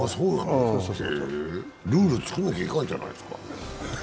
ルールをつくらなきゃいかんじゃないですか。